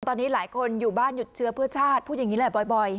ตอนนี้หลายคนอยู่บ้านหยุดเชื้อเพื่อชาติพูดอย่างนี้แหละบ่อย